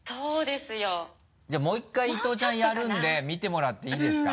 じゃあもう１回伊藤ちゃんやるんで見てもらっていいですか？